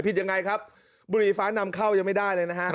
ยังไงครับบุรีฟ้านำเข้ายังไม่ได้เลยนะฮะ